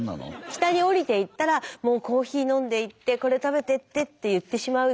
下におりていったらもう「コーヒー飲んでいってこれ食べてって」って言ってしまう自分が。